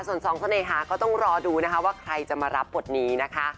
ส่วนสองเสน่หาก็ต้องรอดูนะคะว่าใครจะมารับบทนี้นะคะ